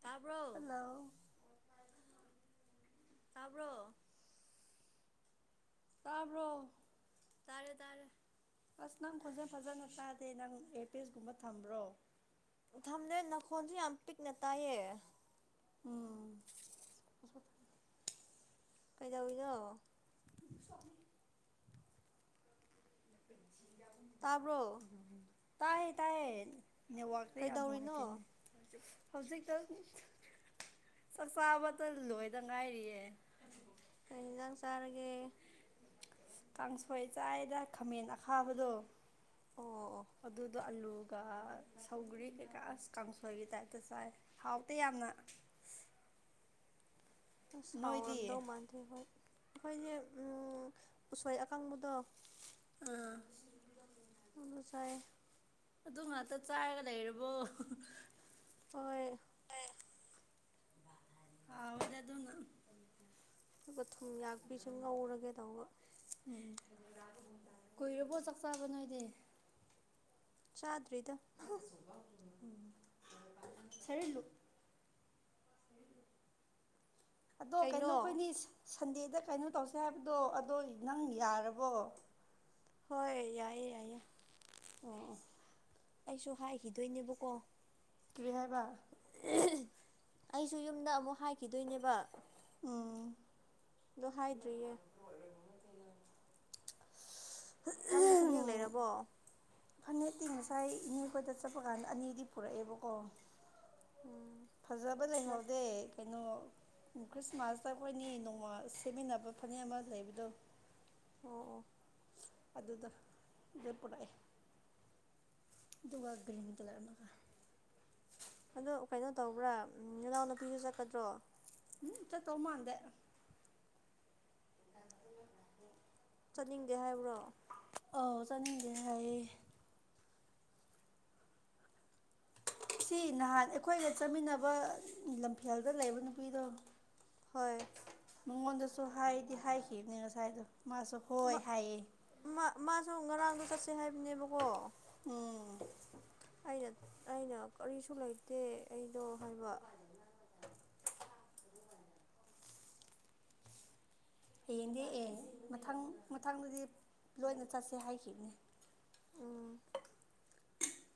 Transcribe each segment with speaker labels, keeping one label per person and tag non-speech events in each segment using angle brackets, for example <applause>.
Speaker 1: ꯇꯥꯔꯕꯣ
Speaker 2: ꯍꯜꯂꯣ
Speaker 1: ꯇꯥꯕ꯭ꯔꯣ
Speaker 2: ꯇꯥꯕꯔꯣ
Speaker 1: ꯇꯥꯔꯦ ꯇꯥꯔꯦ
Speaker 2: ꯑꯁ ꯅꯪ ꯈꯣꯟꯖꯦꯟ ꯐꯖꯅ ꯇꯥꯗꯦ ꯅꯪ ꯑꯦ ꯄꯦꯁꯒꯨꯝꯕ ꯊꯝꯕ꯭ꯔꯣ
Speaker 1: ꯊꯝꯗꯦ ꯅꯈꯣꯟꯜꯁꯨ ꯌꯥꯝ ꯄꯤꯛꯅ ꯇꯥꯏꯌꯦ
Speaker 2: ꯎꯝ
Speaker 1: ꯀꯩꯗꯧꯔꯤꯅꯣ
Speaker 2: <unintelligible> <unintelligible>
Speaker 1: ꯇꯥꯕ꯭ꯔꯣ
Speaker 2: ꯇꯥꯏꯌꯦ ꯇꯥꯏꯌꯦ ꯅꯦꯇꯋꯥꯛ ꯌꯥꯝꯅ
Speaker 1: ꯀꯩꯗꯧꯔꯤꯅꯣ
Speaker 2: ꯅꯨꯪꯉꯥꯏꯇꯥꯕꯥ ꯍꯧꯖꯤꯛꯇ ꯆꯥꯛꯆꯥꯕꯗ ꯂꯣꯏꯗ ꯉꯥꯏꯔꯤꯌꯦ
Speaker 1: ꯀꯩ ꯍꯤꯟꯖꯥꯡ ꯆꯥꯔꯒꯦ
Speaker 2: ꯀꯥꯡꯁꯣꯏ ꯆꯥꯏꯗ ꯈꯥꯃꯦꯟ ꯑꯈꯥꯕꯗꯣ
Speaker 1: ꯑꯣ
Speaker 2: ꯑꯗꯨꯗ ꯑꯂꯨꯒ ꯁꯧꯒ꯭ꯔꯤ ꯀꯩꯀꯥ ꯑꯁ ꯀꯥꯡꯁꯣꯏꯒꯤ ꯇꯥꯏꯞꯇ ꯆꯥꯏ ꯍꯥꯎꯇ ꯌꯥꯝꯅ
Speaker 1: ꯑꯁ
Speaker 2: ꯅꯣꯏꯗꯤ
Speaker 1: ꯁꯥꯎꯔꯝꯗꯧ ꯃꯥꯟꯗꯦ ꯍꯣꯏ ꯑꯩꯈꯣꯏꯁꯦ ꯎꯁꯣꯏ ꯑꯀꯪꯕꯗꯣ
Speaker 2: ꯑꯥ
Speaker 1: ꯁꯥꯏ
Speaker 2: ꯑꯗꯨ ꯉꯥꯛꯇ ꯆꯥꯏꯔꯒ ꯂꯩꯔꯕꯣ
Speaker 1: ꯍꯣꯏ
Speaker 2: ꯍꯥꯎꯋꯦꯗ ꯗꯨꯅ
Speaker 1: ꯑꯗꯨꯒ ꯊꯨꯝ ꯌꯥꯛꯄꯤꯁꯨ ꯉꯧꯔꯒꯦ ꯇꯧꯕ
Speaker 2: ꯎꯝ ꯀꯨꯏꯔꯕꯣ ꯆꯥꯛ ꯆꯥꯕ ꯅꯣꯏꯗꯤ
Speaker 1: ꯆꯥꯗ꯭ꯔꯤꯗ
Speaker 2: ꯁꯔꯂꯨ ꯑꯗꯣ ꯀꯩꯅꯣ ꯑꯈꯣꯏꯅꯤ ꯁꯟꯗꯦꯗ ꯀꯩꯅꯣ ꯇꯧꯁꯦ ꯍꯥꯏꯕꯗꯣ ꯑꯗꯣ ꯅꯪ ꯌꯥꯔꯕꯣ
Speaker 1: ꯍꯣꯏ ꯌꯥꯏꯌꯦ ꯌꯥꯏꯌꯦ
Speaker 2: ꯑꯣ ꯑꯣ
Speaker 1: ꯑꯩꯁꯨ ꯍꯥꯏꯈꯤꯗꯣꯏꯅꯦꯕꯀꯣ
Speaker 2: ꯀꯔꯤ ꯍꯥꯏꯕ
Speaker 1: ꯑꯩꯁꯨ ꯌꯨꯝꯗ ꯑꯃꯨꯛ ꯍꯥꯏꯈꯤꯗꯣꯏꯅꯦꯕ
Speaker 2: ꯎꯝ
Speaker 1: ꯑꯗꫭ ꯍꯥꯏꯗ꯭ꯔꯤꯌꯦ
Speaker 2: <unintelligible>
Speaker 1: ꯅꯪꯗꯤ ꯐꯅꯦꯛ ꯂꯩꯔꯕꯣ
Speaker 2: ꯐꯥꯏꯅꯛꯇꯤ ꯉꯁꯥꯏ ꯏꯅꯦꯈꯣꯏꯗ ꯆꯠꯄ ꯀꯥꯟꯗ ꯑꯅꯤꯗꯤ ꯄꯨꯔꯛꯑꯦꯕꯀꯣ
Speaker 1: ꯎꯝ
Speaker 2: ꯐꯖꯕ
Speaker 1: ꯑꯣ
Speaker 2: ꯂꯩꯍꯧꯗꯦ ꯀꯩꯅꯣ ꯈ꯭ꯔꯤꯁꯃꯥꯁꯇ ꯑꯩꯈꯣꯏꯅꯤ ꯅꯣꯡꯃ ꯁꯦꯝꯃꯤꯟꯅꯕ ꯐꯅꯦꯛ ꯑꯃ ꯂꯩꯕꯗꯣ
Speaker 1: ꯑꯣ ꯑꯣ
Speaker 2: ꯑꯗꯨꯗꫭ ꯑꯗꯨ ꯄꯨꯔꯥꯛꯑꯦ ꯨꯑꯗꯨꯒ ꯒꯤꯔꯤꯟ ꯀꯂꯔ ꯑꯃꯒꯥ
Speaker 1: ꯑꯗꯣ ꯀꯩꯅꯣ ꯇꯧꯕ꯭ꯔꯥ ꯎꯟ ꯅꯅꯥꯎꯅꯨꯄꯤꯁꯨ ꯆꯠꯀꯗ꯭ꯔꯣ
Speaker 2: ꯎꯝ ꯆꯠꯇꯧ ꯃꯥꯟꯗꯦ
Speaker 1: ꯆꯠꯅꯤꯡꯗꯦ ꯍꯥꯏꯕ꯭ꯔꯣ
Speaker 2: ꯑꯥꯎ ꯆꯠꯅꯤꯡꯗꯦ ꯍꯥꯏꯌꯦ ꯁꯤ ꯅꯍꯥꯟ ꯑꯩꯈꯣꯏꯒ ꯆꯠꯃꯤꯟꯅꯕ ꯂꯝꯐꯦꯜꯗ ꯂꯩꯕ ꯅꯨꯄꯤꯗꯣ
Speaker 1: ꯍꯣꯏ
Speaker 2: ꯃꯉꯣꯟꯗꯁꯨ ꯍꯥꯏꯗꯤ ꯍꯥꯏꯈꯤꯕꯅꯦ ꯉꯁꯥꯏꯗꯣ ꯃꯥꯁꯨ ꯍꯣꯏ
Speaker 1: ꯃꯥ
Speaker 2: ꯍꯥꯏꯌꯦ
Speaker 1: ꯃꯥ ꯃꯥꯁꯨ ꯉꯔꯥꯡꯗꯣ ꯆꯠꯁꯦ ꯍꯥꯏꯕꯅꯦꯕꯀꯣ
Speaker 2: ꯎꯝ
Speaker 1: ꯑꯩꯅ ꯑꯩꯅ ꯀꯔꯤꯁꯨ ꯂꯩꯇꯦ ꯑꯩꯗꯣ ꯍꯥꯏꯕ
Speaker 2: ꯍꯌꯦꯡꯗꯤ ꯑꯦ ꯃꯊꯪ ꯃꯊꯪꯗꯗꯤ ꯂꯣꯏꯅ ꯆꯠꯁꯦ ꯍꯥꯏꯈꯤꯕꯅꯦ
Speaker 1: ꯎꯝ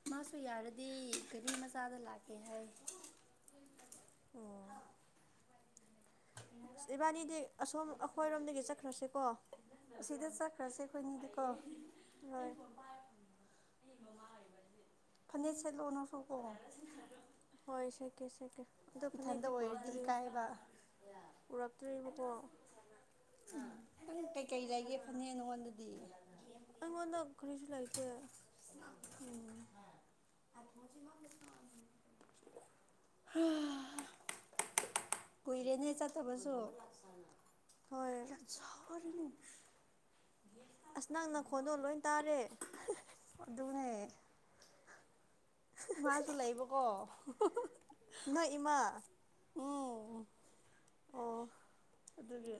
Speaker 2: ꯃꯥꯁꯨ ꯌꯥꯔꯗꯤ ꯒꯔꯤ ꯃꯆꯥꯗ ꯂꯥꯛꯀꯦ ꯍꯥꯏ
Speaker 1: ꯑꯣ ꯑꯁ ꯏꯕꯥꯅꯤꯗꯤ ꯑꯁꯣꯝ ꯑꯩꯈꯣꯏꯔꯣꯝꯗꯒꯤ ꯆꯠꯈ꯭ꯔꯁꯦꯀꯣ
Speaker 2: ꯑꯁꯤꯗ ꯆꯠꯈ꯭ꯔꯁꯦ ꯑꯩꯈꯣꯏꯅꯤꯗꯤꯀꯣ
Speaker 1: ꯅꫭꯏ
Speaker 2: ꯐꯅꯦꯛ ꯁꯦꯠꯂꯛꯑꯣ ꯅꯪꯁꯨꯀꯣ
Speaker 1: ꯍꯣꯏ ꯁꯀꯦ ꯁꯀꯦ ꯑꯗꯣ
Speaker 2: ꯏꯊꯟꯗ
Speaker 1: ꯐꯅꯦꯛꯇꯤ
Speaker 2: ꯑꯣꯏꯔꯗꯤ
Speaker 1: ꯄꯨꯔꯛꯇ꯭ꯔꯤ
Speaker 2: ꯏꯀꯥꯏꯕ
Speaker 1: ꯄꯨꯔꯛꯇ꯭ꯔꯤꯕꯀꯣ
Speaker 2: ꯎꯝ ꯀꯩꯀꯩ ꯂꯩꯒꯦ ꯐꯅꯦꯛ ꯅꯪꯉꯣꯟꯗꯗꯤ
Speaker 1: ꯑꯩꯉꫭꯟꯗ ꯀꯔꯤꯁꯨ ꯂꯩꯇꯦ
Speaker 2: <unintelligible> ꯍꯥ <unintelligible> ꯀꯨꯏꯔꯦꯅꯦ ꯆꯠꯇꯕꯁꯨ
Speaker 1: ꯍꯣꯏ
Speaker 2: <unintelligible> ꯆꯠꯁꯥꯔꯅꯨ
Speaker 1: ꯑꯁ ꯅꯪꯅ ꯅꯈꫭꯟꯗꯣꯟ ꯂꯣꯏ ꯇꯥꯔꯦ
Speaker 2: ꯑꯗꯨꯅꯦ ꯏꯃꯥꯁꯨ ꯂꯩꯕ ꯀꯣ
Speaker 1: ꯅꯣꯏ ꯏꯃꯥ
Speaker 2: ꯎꯝ
Speaker 1: ꯑꯣ
Speaker 2: ꯑꯗꯨꯒꯤ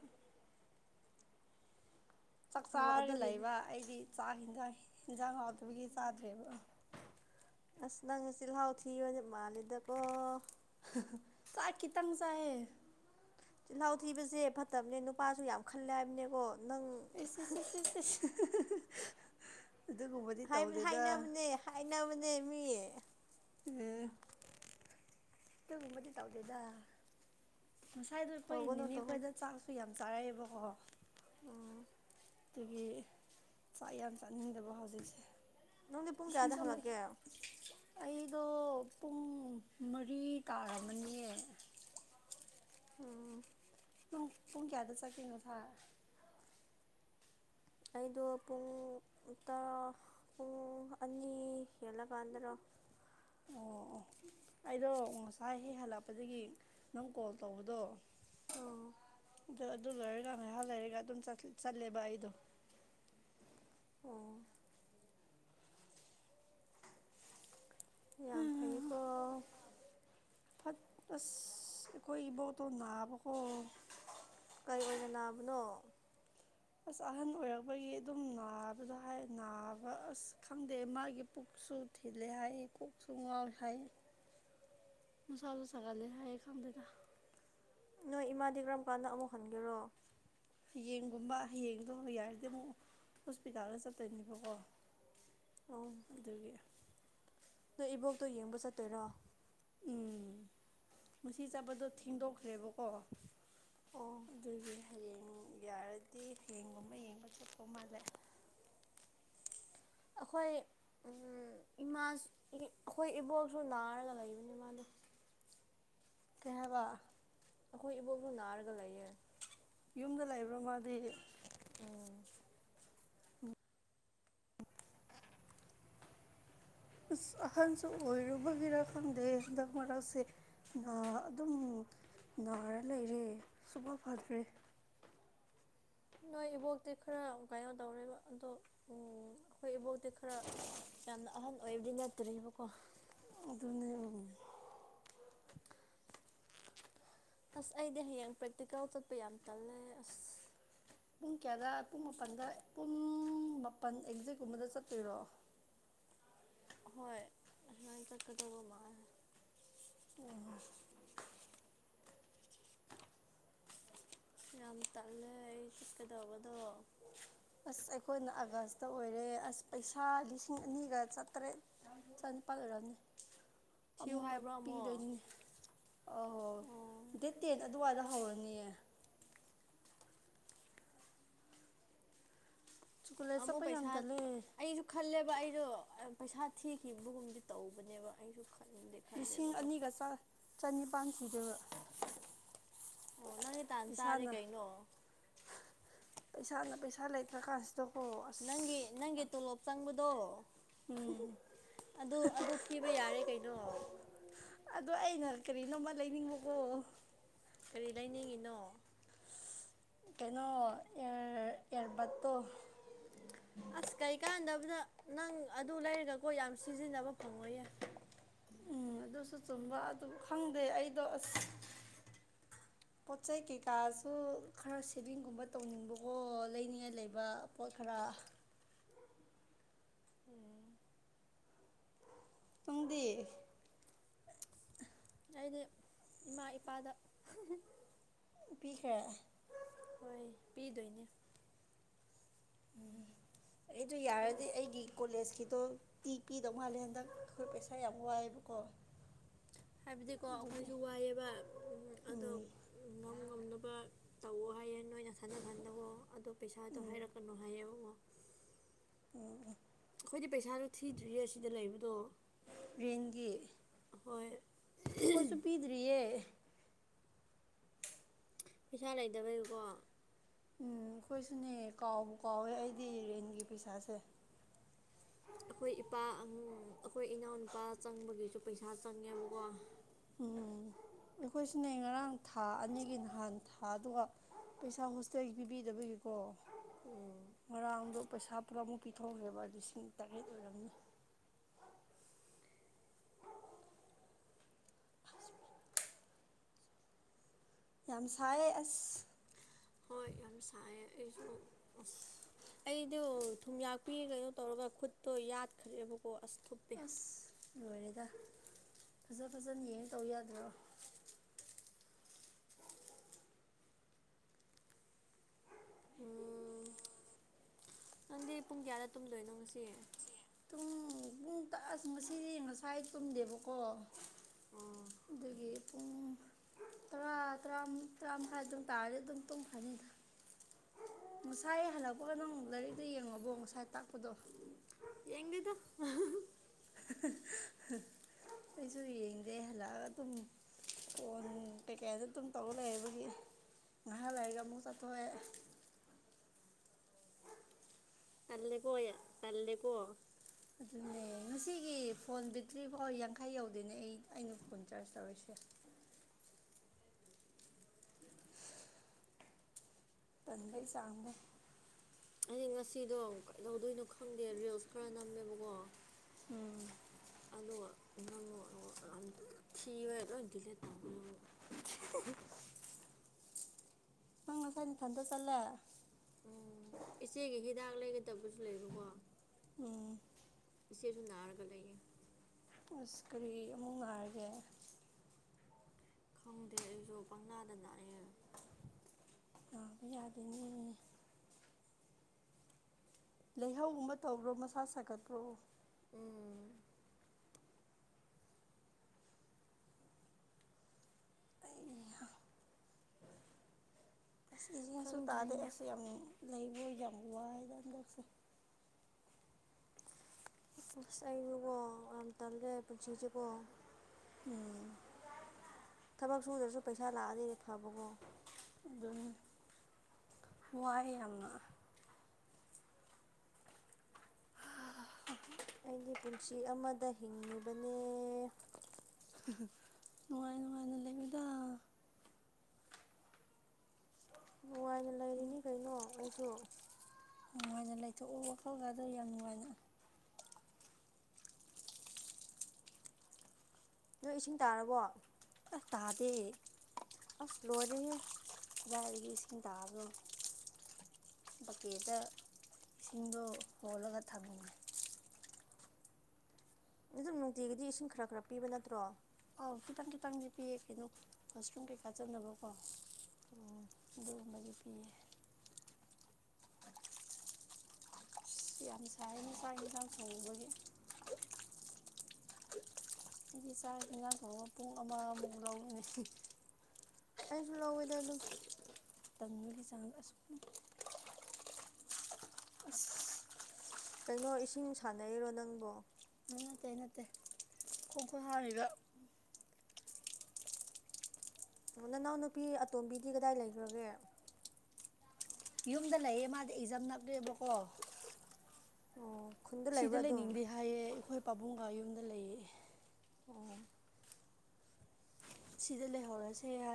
Speaker 2: ꯆꯥꯛ
Speaker 1: ꯑꯣ
Speaker 2: ꯆꯥꯔꯒ
Speaker 1: ꯑꯗꯨꯒꯤꯅꯦ
Speaker 2: ꯂꯩꯕ ꯑꯩꯗꯤ ꯆꯥꯛ ꯌꯦꯟꯖꯥꯡ ꯍꯟꯖꯥꯡ ꯍꯥꯎꯇꯕꯒꯤ ꯆꯥꯗ꯭ꯔꯦꯕ
Speaker 1: ꯑꯁ ꯅꯪꯁꯦ ꯆꯤꯜꯍꯥꯎ ꯊꯤꯕꯗꯤ ꯃꯥꯜꯂꯦꯗꯀꯣ
Speaker 2: ꯆꯥꯛ ꯈꯤꯇꯪ ꯆꯥꯏꯌꯦ
Speaker 1: ꯆꯤꯜꯍꯥꯎ ꯊꯤꯕꯁꯦ ꯐꯠꯇꯕꯅꯦ ꯅꯨꯄꯥꯁꯨ ꯌꯥꯝ ꯈꯜꯂꯦ ꯍꯥꯏꯕꯅꯦꯀꯣ ꯅꯪ
Speaker 2: ꯏꯁ ꯏꯁ ꯏꯁ ꯏꯁ ꯏꯁ ꯑꯗꯨꯒꯨꯝꯕꯗꯤ ꯇꯧꯗꯦꯗ
Speaker 1: ꯈꯥꯏꯅꯕ ꯃ ꯃꯤ
Speaker 2: ꯎꯝ ꯇꯧꯃꯗꯤ ꯇꯥꯎꯗꯦꯗ ꯉꯁꯥꯏꯗꯣ ꯑꯩꯈꯣꯏ
Speaker 1: ꯇꯧꯒꯅꯨ
Speaker 2: ꯏꯅꯤꯅꯦ
Speaker 1: ꯇꯧꯒꯅꯨ
Speaker 2: ꯑꯩꯈꯣꯏꯗ ꯆꯥꯛꯁꯨ ꯌꯥꯝ ꯆꯥꯔꯛꯑꯦꯕꯀꯣ
Speaker 1: <unintelligible>
Speaker 2: ꯑꯩꯈꯣꯏꯒꯤ ꯆꯥꯛ ꯌꯥꯝ ꯆꯥꯅꯤꯡꯗꯕ ꯍꯧꯖꯤꯛꯁꯦ
Speaker 1: ꯅꯪꯗꯤ ꯄꯨꯡ ꯀꯌꯥꯗ
Speaker 2: ꯏꯁꯤꯡꯁꯨ ꯂꯩ
Speaker 1: ꯍꯜꯂꯛꯀꯦ
Speaker 2: ꯑꯩꯗꯣ ꯄꯨꯡ ꯃꯔꯤ ꯇꯥꯃꯅꯤꯌꯦ
Speaker 1: ꯑꯣ
Speaker 2: ꯄꯨꯡ ꯀꯌꯥꯗ ꯆꯠꯀꯅꯣ ꯁꯥ
Speaker 1: ꯑꯩꯗꯣ ꯄꯨꯡ ꯇꯔꯥ ꯄꯨꯡ ꯑꯅꯤ ꯍꯦꯜꯂꯀꯥꯟꯗꯔ
Speaker 2: ꯑꯣ ꯑꯣ ꯑꯩꯗꯣ ꯉꯁꯥꯏ ꯍꯦꯛ ꯍꯜꯂꯛꯄꯗꯒꯤ ꯅꯪ ꯀꯣꯜ ꯇꯧꯕꯗꯣ
Speaker 1: ꯑꯣ
Speaker 2: ꯑꯗꯨ ꯂꯣꯏꯔꯒ ꯉꯥꯏꯍꯥꯛ ꯂꯩꯔꯒ ꯑꯗꯨꯝ ꯆꯠꯂꯦꯕ ꯑꯩꯗꯣ
Speaker 1: ꯑꯣ ꯌꯥꯝ ꯐꯩꯀꯣ
Speaker 2: ꯐꯁꯈꯣꯏꯕꯣ ꯇꯣ ꯅꯅꯥꯕꯈꯣ
Speaker 1: ꯀꯔꯤ ꯑꯣꯏꯅ ꯅꯥꯕꯅꯣ
Speaker 2: ꯑꯁ ꯑꯍꯟ ꯑꯣꯏꯔꯛꯄꯒꯤ ꯑꯗꯨꯝ ꯅꯥꯕꯗ ꯍꯥꯏ ꯅꯥꯕ ꯑꯁ ꯈꯪꯗꯦ ꯃꯥꯒꯤ ꯄꯨꯛꯁꯨ ꯊꯦꯂꯦ ꯍꯥꯏꯥꯏ ꯀꯣꯛ ꯆꯨꯡꯉꯜ ꯍꯥꯏ ꯃꯁꯥꯁꯥꯒꯗꯦ ꯍꯥꯏꯌꯦ ꯈꯗꯗ
Speaker 1: ꯅꯣꯏ ꯏꯃꯥꯗꯤ ꯀꯔꯝ ꯀꯥꯟꯗ ꯑꯃꯨꯛ ꯍꯟꯒꯦꯔꯣ
Speaker 2: ꯍꯌꯦꯡꯒꯨꯝꯕ ꯍꯌꯦꯡꯗꯣ ꯌꯥꯔꯗꯤ ꯑꯃꯨꯛ ꯍꯣꯁꯄꯤꯇꯥꯜꯗ ꯆꯠꯇꯣꯏꯅꯦꯕꯀꯣ
Speaker 1: ꯑꯣ
Speaker 2: ꯑꯗꯨꯒꯤ
Speaker 1: ꯅꯣ ꯏꯕꯣꯛꯇꯣ ꯌꯦꯡꯕ ꯆꯠꯇꯣꯏꯔꯣ
Speaker 2: ꯎꯝ ꯉꯁꯤ ꯆꯥꯄꯗꯣ ꯊꯦꯡꯗꯣꯛꯈ꯭ꯔꯦꯕꯀꯣ
Speaker 1: ꯑꯣ
Speaker 2: ꯑꯗꯨꯗꯒꯤꯗꯒꯤ ꯍꯌꯦꯡ ꯌꯥꯔꯗꯤ ꯍꯌꯦꯡꯒꯨꯝꯕ ꯌꯦꯡꯕ ꯆꯠꯇꯧ ꯃꯥꯜꯂꯦ
Speaker 1: ꯑꯩꯈꯣꯏ ꯏꯃꯥ ꯑꯩꯈꯣꯏ ꯏꯕꯣꯛꯁꯨ ꯅꯥꯔꯒ ꯂꯩꯕꯅꯤ ꯃꯥꯗꯣ
Speaker 2: ꯀꯩ ꯍꯥꯏꯕ
Speaker 1: ꯑꯩꯈꯣꯏ ꯏꯕꯣꯇ ꯅꯥꯔꯒ ꯂꯩꯌꯦ
Speaker 2: ꯌꯨꯝꯗ ꯂꯩꯕ꯭ꯔꯥ ꯃꯥꯗꯤ
Speaker 1: ꯎꯝ
Speaker 2: ꯑꯁ ꯑꯍꯟꯁꯨ ꯑꯣꯏꯔꯨꯕꯒꯤꯔ ꯈꯪꯗꯦ ꯍꯟꯗꯛ ꯃꯔꯛꯁꯦ ꯑ ꯑꯗꯨꯝ ꯅꯥꯔ ꯂꯩꯔꯦ ꯁꯨꯐ ꯐꯗ꯭ꯔꯦ
Speaker 1: ꯅꯣꯏ ꯏꯕꯣꯛꯇꯤ ꯈꯔ ꯀꯩꯅꯣ ꯇꯧꯔꯕ ꯑꯗꯣ ꯑꯩꯈꯣꯏ ꯏꯕꯣꯛꯇꯤ ꯈꯔ ꯌꯥꯝꯅ ꯑꯍꯟ ꯑꯣꯏꯕꯗꯤ ꯅꯠꯇ꯭ꯔꯦꯕꯀꯣ
Speaker 2: ꯑꯗꯨꯅꯦ
Speaker 1: ꯑꯁ ꯑꯩꯗꯤ ꯍꯌꯦꯡ ꯄ꯭ꯔꯦꯛꯇꯤꯀꯦꯜ ꯆꯠꯄ ꯌꯥꯝ ꯇꯜꯂꯦ ꯑꯁ
Speaker 2: ꯄꯨꯡ ꯀꯌꯥꯗ ꯄꯨꯡ ꯃꯥꯄꯜꯗ ꯄꯨꯡ ꯃꯥꯄꯟ ꯑꯦꯛꯖꯦꯛꯀꯨꯝꯕꯗ ꯆꯠꯇꯣꯏꯔꯣ
Speaker 1: ꯍꯣꯏ ꯍ ꯏꯀ ꯀꯗꯧꯕ ꯑꯃ
Speaker 2: ꯑꯣ
Speaker 1: ꯌꯥꯝ ꯇꯜꯂꯦ ꯑꯩ ꯆꯠꯀꯗꯧꯕꯗꯣ
Speaker 2: ꯑꯁ ꯑꯩꯈꯣꯏꯅ ꯑꯥꯒꯁꯇ ꯑꯣꯏꯔꯦ ꯑꯁ ꯄꯩꯁꯥ ꯂꯤꯁꯤꯡ ꯑꯅꯤꯒ ꯆꯥꯇꯔꯦꯠ ꯆꯅꯤ ꯄꯒꯔꯅꯤ
Speaker 1: ꯊꯤꯌꯨ
Speaker 2: ꯑꯃꯨꯛꯀ
Speaker 1: ꯍꯥꯏꯕ꯭ꯔꯣ ꯑꯃꯨꯛ
Speaker 2: ꯄꯤꯗꯣꯏꯅꯤ ꯑꯍꯣꯏ
Speaker 1: ꯑꯣ
Speaker 2: ꯗꯦꯠ ꯇꯦꯟ ꯑꯗꯨꯋꯥꯏꯗ ꯍꯧꯔꯅꯤꯌꯦ ꯀꯣꯂꯦꯖ
Speaker 1: ꯑꯃꯨꯛ
Speaker 2: ꯆꯠꯄ ꯌꯥꯝ
Speaker 1: ꯄꯩꯁꯥ
Speaker 2: ꯇꯜꯂꯦ
Speaker 1: ꯑꯩꯁꯨ ꯈꯜꯂꯦꯕ ꯑꯩꯖꯨ ꯄꯩꯁꯥ ꯊꯤꯈꯤꯕꯒꯨꯝꯗꯤ ꯇꯧꯕꯅꯦꯕ ꯑꯩꯁꯨ ꯈꯟꯗꯦ
Speaker 2: ꯂꯤꯁꯤꯡ ꯑꯅꯤꯒ ꯆꯅꯤꯄꯥꯟ ꯊꯤꯗꯕ
Speaker 1: ꯑꯣ ꯅꯪꯗꯤ ꯇꯥꯟ ꯆꯥꯔꯦ ꯀꯩꯅꯣ
Speaker 2: ꯄꯩꯁꯥꯅ ꯄꯩꯁꯥ ꯂꯩꯇ꯭ꯔ ꯀꯥꯟꯁꯤꯗ ꯠꯇꯣꯕꯨ
Speaker 1: ꯅꯪꯒꯤ ꯅꯪꯒꯤ ꯇꯣꯂꯣꯞ ꯆꯪꯕꯗꯣ
Speaker 2: ꯎꯝ
Speaker 1: ꯑꯗꯨ ꯑꯗꯨ ꯊꯤꯕ ꯌꯥꯔꯦ ꯀꯩꯅꯣ
Speaker 2: ꯑꯗꯣ ꯑꯩꯅ ꯀꯔꯤꯅꯣꯝꯃ ꯂꯩꯅꯤꯡꯕꯀꯣ
Speaker 1: ꯀꯔꯤ ꯂꯩꯅꯤꯡꯉꯤꯅꯣ
Speaker 2: ꯀꯩꯅꯣ ꯑꯦꯔ ꯑꯦꯔꯕꯠꯇꯣ
Speaker 1: ꯑꯁ ꯀꯩꯀꯥꯟꯗꯕꯗ ꯅꯪ ꯑꯗꯨ ꯂꯩꯔꯒꯒꯣ ꯌꯥꯝ ꯁꯤꯖꯤꯟꯅꯕ ꯐꯪꯉꯣꯏꯌꯦ
Speaker 2: ꯎꯝ ꯑꯗꯨꯁꯨ ꯆꯨꯝꯕ ꯑꯗꯨ ꯈꯪꯗꯦ ꯑꯩꯗꯣ ꯑꯁ ꯄꯣꯠ ꯆꯩ ꯀꯩꯀꯥꯁꯨ ꯈꯔ ꯁꯦꯚꯤꯡꯒꯨꯝꯕ ꯇꯧꯅꯤꯡꯕꯀꯣ ꯂꯩꯅꯤꯡꯉꯥꯏ ꯂꯩꯕ ꯄꯣꯠ ꯈꯔ
Speaker 1: ꯎꯝ
Speaker 2: ꯅꯪꯗꯤ
Speaker 1: ꯑꯩꯗꯤ ꯏꯃꯥ ꯏꯄꯥꯗ <unintelligible>
Speaker 2: <unintelligible>
Speaker 1: ꯍꯣꯏ ꯄꯤꯗꯣꯏꯅꯦ
Speaker 2: ꯑꯩꯗꯣ ꯌꯥꯔꯗꯤ ꯑꯩꯒꯤ ꯀꯣꯂꯦꯖꯀꯤꯗꯣ ꯇꯤ ꯄꯤꯗꯧ ꯃꯥꯜꯂꯦ ꯍꯟꯗꯛ ꯑꯩꯈꯣꯏ ꯄꯩꯁꯥ ꯌꯥꯝ ꯋꯥꯏꯑꯦꯕꯀꯣ
Speaker 1: ꯍꯥꯏꯕꯗꯤꯀꯣ
Speaker 2: ꯑꯗꯨꯒꯤ
Speaker 1: ꯑꯈꯣꯏꯁꯨ ꯋꯥꯏꯑꯦꯕ ꯑꯗꯣ
Speaker 2: ꯎꯝ
Speaker 1: ꯉꯝ ꯉꯝꯅꯕ ꯇꯧꯋꯣ ꯍꯥꯏꯌꯦ ꯅꯣꯏ ꯅꯁꯥ ꯅꯁꯥꯅꯒꫭ ꯑꯗꯨ ꯄꯩꯁꯥꯗꯣ ꯍꯥꯏꯔꯛꯀꯅꯨ ꯍꯥꯏꯌꯦꯕꯒꫭ
Speaker 2: <unintelligible>
Speaker 1: ꯑꯩꯈꯣꯏꯗꯤ ꯄꯩꯁꯥꯁꯨ ꯊꯤꯗ꯭ꯔꯤꯌꯦ ꯁꯤꯗ ꯂꯩꯕꯗꯣ
Speaker 2: ꯔꯦꯟꯒꯤ
Speaker 1: ꯍꯣꯏ
Speaker 2: ꯑꯈꯣꯏꯁꯨ ꯄꯤꯗ꯭ꯔꯤꯌꯦ
Speaker 1: ꯄꯩꯁꯥ ꯂꯩꯇꯕꯩꯀꯣ
Speaker 2: ꯎꯝ ꯑꯈꯣꯏꯁꯨꯅꯦ ꯀꯥꯎꯕꯨ ꯀꯥꯎꯋꯦ ꯑꯩꯗꯤ ꯔꯦꯟꯒꯤ ꯄꯩꯁꯥꯁꯦ
Speaker 1: ꯑꯈꯣꯏ ꯏꯄꯥ ꯑꯪ ꯑꯈꯣꯏ ꯏꯅꯥꯎꯅꯨꯄꯥ ꯆꯪꯕꯒꯤꯁꯨ ꯄꯩꯁꯥ ꯆꯪꯉꯦꯕꯀꯣ
Speaker 2: ꯎꯝ ꯑꯩꯈꯣꯏ ꯁꯤꯅꯦ ꯉꯔꯥꯡ ꯊꯥ ꯑꯅꯤꯒꯤ ꯅꯍꯥꯟ ꯊꯥ ꯑꯗꯨꯒ ꯄꯩꯁꯥ ꯍꯣꯁꯇꯦꯜꯒꯤ ꯄꯤꯕꯤꯗꯕꯒꯤꯀꯣ ꯉꯔꯥꯡꯗꯣ ꯄꯩꯁꯥ ꯄꯨꯔꯥꯃꯨꯛ ꯄꯤꯊꯣꯛꯈꯦꯕ ꯂꯤꯁꯤꯡ ꯇꯔꯦꯠ ꯑꯣꯏꯔꯝꯅꯤ ꯌꯥꯝ ꯁꯥꯏ ꯑꯁ
Speaker 1: ꯍꯣꯏ ꯌꯥꯝ ꯁꯥꯏꯌꯦ ꯑꯩꯁꯨ ꯑ ꯑꯁ ꯑꯩꯗꯣ ꯊꯨꯝꯌꯥꯛꯄꯤ ꯀꯩꯅꯣ ꯇꯧꯔꯒ ꯈꯨꯠꯇꯣ ꯌꯥꯠꯈ꯭ꯔꯦꯕꯀꯣ ꯑꯁ ꯊꯨꯞꯇꯦ
Speaker 2: ꯑꯁ ꯂꯣꯏꯔꯦꯗ ꯐꯖ ꯐꯖꯅ ꯌꯦꯡꯉ ꯇꯧ ꯌꯥꯗ꯭ꯔꯣ
Speaker 1: ꯎꯝ ꯅꯪꯗꯤ ꯄꯨꯡ ꯀꯌꯥꯗ ꯇꯨꯝꯗꯣꯏꯅꯣ ꯉꯁꯤ
Speaker 2: ꯇꯨꯡ ꯄꯨꯡ ꯇꯑꯁ ꯉꯁꯤꯗꯤ ꯉꯁꯥꯏ ꯇꯨꯝꯗꯦꯕꯀꯣ
Speaker 1: ꯑꯣ
Speaker 2: ꯑꯗꯨꯒꯤ ꯄꯨꯡ ꯥ ꯇꯔꯥ ꯇꯔꯥꯝ ꯇꯔꯥ ꯃꯈꯥꯏ ꯑꯗꯨꯝ ꯇꯥꯔꯗꯤ ꯑꯗꯨꯝ ꯇꯨꯝꯈꯔꯥꯅꯤꯗ ꯉꯁꯥꯏ ꯍꯜꯂꯛꯄꯒ ꯅꯪ ꯂꯥꯏꯔꯤꯛꯗ ꯌꯦꯡꯉꯕꯣ ꯉꯁꯥꯏ ꯇꯥꯛꯄꯗꯣ
Speaker 1: ꯌꯦꯡꯗꯤꯗꯥ <unintelligible>
Speaker 2: ꯑꯩꯁꯨ ꯌꯦꯡꯗꯦ ꯍꯜꯂꯛꯑꯒ ꯑꯗꯨꯝ ꯐꯣꯟ ꯀꯩꯀꯩꯗ ꯑꯗꯨꯝ ꯇꯧꯔ ꯂꯩꯕꯒꯤ ꯉꯥꯏꯍꯥꯛ ꯂꯩꯥꯏꯔꯒ ꯑꯃꯨꯛ ꯆꯠꯊꯣꯛꯑꯦ
Speaker 1: ꯇꯜꯂꯦꯀꯣ ꯇꯜꯂꯦꯀꯣ
Speaker 2: ꯑꯗꯨꯅꯦ ꯉꯁꯤꯒꯤ ꯐꯣꯟ ꯕꯦꯠꯇ꯭ꯔꯤꯐꯥꯎ ꯌꯥꯡꯈꯩ ꯌꯧꯗꯦꯅꯦ ꯑꯩ ꯑꯩꯅ ꯐꯣꯟꯆꯥꯥꯔꯖ ꯇꯧꯔꯤꯁꯦ ꯇꯟꯕꯩ ꯆꯥꯡꯗꫭ
Speaker 1: ꯑꯩꯗꯤ ꯉꯁꯤꯗꯣ ꯀꯩꯗꯧꯗꯣꯏꯅꯣ ꯈꯪꯗꯦ ꯔꯤꯜꯁ ꯈꯔ ꯅꯝꯃꯦꯕꯀꯣ
Speaker 2: ꯎꯝ
Speaker 1: ꯑꯗꯨꯒ ꯅꯝꯃꯒ <unintelligible> ꯊ꯭ꯤꯕꯩ ꯂꯣꯏ ꯗꯤꯂꯦꯠ ꯇꯧꯈ꯭ꯔꯦꯕꯣ ꯑꯃꯨꯛ
Speaker 2: <unintelligible> ꯅꯪ ꯉꯥꯁꯥꯏ ꯃꯊꯟꯗ ꯆꯠꯂꯦ
Speaker 1: ꯎꯝ ꯏꯆꯦꯒꯤ ꯍꯤꯗꯥꯛ ꯂꯩꯒꯗꯕꯖꯨ ꯂꯩꯌꯦꯕꯒꯣ
Speaker 2: ꯎꯝ
Speaker 1: ꯏꯆꯦꯁꯨ ꯅꯥꯔꯒ ꯂꯩꯌꯦ
Speaker 2: ꯑꯁ ꯀꯔꯤ ꯑꯃꯨꯛ ꯅꯥꯔꯒꯦ
Speaker 1: ꯈꯪꯗꯦ ꯑꯩꯁꯨ ꯄꯪꯅꯥꯥꯗ ꯅꯥꯌꯦ
Speaker 2: ꯑꯥ ꯌꯥꯗꯦꯅꯦ ꯂꯩꯍꯧ ꯒꯨꯝꯕ ꯇꯧꯕ꯭ꯔꯣ ꯃꯁꯥ ꯁꯥꯒꯠꯄ꯭ꯔꯣ
Speaker 1: ꯎꯝ
Speaker 2: ꯑꯩ ꯑꯁ ꯏꯁꯤꯡꯁꯨ ꯇꯥꯗꯦ
Speaker 1: ꯈꯪꯗ꯭ꯔꯤꯅꯦ
Speaker 2: ꯑꯁ ꯌꯥꯝ ꯂꯩꯕ ꯌꯥꯝ ꯋꯥꯏꯗ ꯍꯟꯗꯛꯁꯦ
Speaker 1: ꯑꯁ ꯑꯩꯁꯨꯀꯣ ꯌꯥꯝ ꯇꯜꯂꯦ ꯄꯨꯟꯁꯤꯁꯤꯀꯣ
Speaker 2: ꯎꯝ
Speaker 1: ꯊꯕꯛ ꯁꯨꯗ꯭ꯔꯁꯨ ꯄꯩꯁꯥ ꯂꯥꯛꯑꯗꯤ ꯐꯕꯒꯣ
Speaker 2: ꯑꯗꯨꯅꯤ ꯋꯥꯏ ꯌꯥꯝꯅ
Speaker 1: ꯑꯩꯗꯤ ꯄꯨꯟꯁꯤ ꯑꯃꯗ ꯍꯤꯡꯉꯤꯕꯅꯦ
Speaker 2: <unintelligible> ꯅꯨꯡꯉꯥꯏ ꯅꯨꯡꯉꯥꯏꯅ ꯂꯩꯌꯨꯗ
Speaker 1: ꯅꯨꯡꯉꯥꯏꯅ ꯂꯩꯔꯤꯅꯤ ꯀꯩꯅꯣ ꯑꯩꯁꯨ
Speaker 2: ꯅꯨꯡꯉꯥꯏꯅ ꯂꯩꯊꯣꯛꯎ ꯋꯥꯈꯜꯒꯗꯣ ꯌꯥꯝ ꯅꯨꯡꯉꯥꯏꯅ
Speaker 1: ꯅꯣꯏ ꯏꯁꯤꯡ ꯇꯥꯔꯕꯣ
Speaker 2: ꯑ ꯇꯥꯗꯦ
Speaker 1: ꯑꯁ ꯂꯣꯏꯔꯦꯍꯦ
Speaker 2: ꯀꯗꯥꯏꯗꯒꯤ ꯏꯁꯤꯡ ꯇꯥꯕꯅꯣ ꯕꯛꯀꯦꯠꯇ ꯁꯤꯡꯗꯣ ꯍꯣꯜꯂꯒ ꯊꯝꯃꯤꯅꯦ
Speaker 1: ꯑꯗꯨꯝ ꯅꯨꯡꯇꯤꯒꯤꯗꯤ ꯏꯁꯤꯡ ꯈꯔ ꯈꯔ ꯄꯤꯕ ꯅꯠꯇ꯭ꯔꯣ
Speaker 2: ꯑꯧ ꯈꯤꯇꯪ ꯈꯤꯇꯪꯗꯤ ꯄꯤꯌꯦ ꯀꯩꯅꯣ ꯋꯥꯁꯔꯨꯝ ꯀꯩꯀꯥ ꯆꯠꯅꯕꯀꯣ ꯑꯗꯨꯒꯨꯝꯕꯒꯤ ꯄꯤꯌꯦ ꯌꯥꯝ ꯁꯥꯏꯌꯦꯅꯦ ꯆꯥꯛ ꯍꯤꯟꯁꯥꯡ ꯊꯣꯡꯉꯨꯕꯒꯤ ꯑꯩꯗꯤ ꯆꯥꯛ ꯏꯉꯥꯡ ꯊꯣꯡꯕ ꯄꯨꯡ ꯑꯃꯃꯨꯛ ꯂꯧꯕꯅꯦ
Speaker 1: ꯑꯩꯁꯨ ꯂꯧꯋꯦꯗ ꯑꯗꯨꯝ
Speaker 2: ꯇꯟꯕꯒꯤ ꯆꯥꯡ ꯑꯁ <inaudible> ꯑꯁ
Speaker 1: ꯀꯩꯅꯣ ꯏꯁꯤꯡ ꯁꯥꯟꯅꯩꯔꯣ ꯅꯪꯕꯣ
Speaker 2: ꯑ ꯅꯠꯇꯦ ꯅꯠꯇꯦ ꯈꯣꯡꯈꯨꯠ ꯍꯥꯥꯝꯃꯤꯕ
Speaker 1: ꯅꯅꯥꯎ ꯅꯨꯄꯤ ꯑꯇꯣꯝꯕꯤꯗꯤ ꯀꯗꯥꯏ ꯂꯩꯈ꯭ꯔꯒꯦ
Speaker 2: ꯌꯨꯝꯗ ꯂꯩꯌꯦ ꯃꯥꯗꯤ ꯑꯦꯛꯖꯥꯝ ꯅꯛꯔꯦꯕꯀꯣ
Speaker 1: ꯑꯣ ꯈꯨꯟꯗ
Speaker 2: ꯁꯤꯗ
Speaker 1: ꯂꯩꯕ꯭ꯔꯥ ꯑꯗꯨꯝ
Speaker 2: ꯂꯩꯅꯤꯡꯗꯦ ꯍꯥꯏꯌꯦ ꯑꯩꯈꯣꯏ ꯄꯥꯕꯨꯡꯒ ꯌꯨꯝꯗ ꯂꯩꯌꯦ
Speaker 1: ꯑꯣ
Speaker 2: ꯁꯤꯗ ꯂꯩꯍꯧꯔꯁꯦ ꯍꯥꯏ